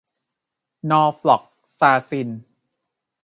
นอร์ฟล็อกซาซิน